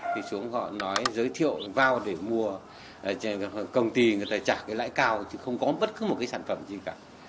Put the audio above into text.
thì xuống họ nói giới thiệu vào để mua công ty người ta trả cái lãi cao chứ không có bất cứ một cái sản phẩm gì cả